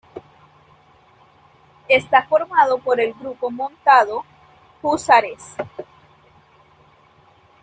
Está formado por el Grupo Montado "Húsares".